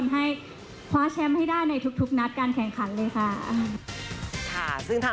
ให้คว้าแชมป์ให้ได้ในทุกนัดการแข่งขันเลยค่ะ